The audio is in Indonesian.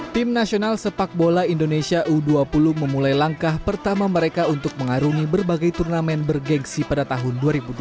tim nasional sepak bola indonesia u dua puluh memulai langkah pertama mereka untuk mengarungi berbagai turnamen bergengsi pada tahun dua ribu dua puluh tiga